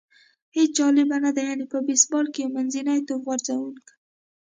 هېڅ جالبه نه ده، یعنې په بېسبال کې یو منځنی توپ غورځوونکی.